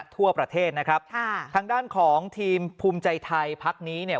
ทั่วประเทศนะครับค่ะทางด้านของทีมภูมิใจไทยพักนี้เนี่ย